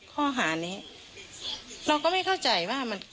ข้อหานี้เราก็ไม่เข้าใจว่ามัน